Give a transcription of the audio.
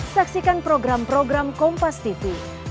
saksikan program program kompas tkpb di tkpb com id